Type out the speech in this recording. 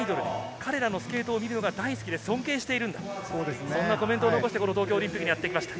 彼らのスケートを見るのが大好きで尊敬している、そんなコメントを残して、東京オリンピックにやってきました。